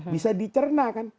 bisa dicerna kan